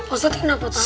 ustadz kenapa ketawa